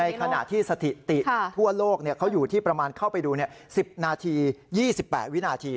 ขณะที่สถิติทั่วโลกเขาอยู่ที่ประมาณเข้าไปดู๑๐นาที๒๘วินาที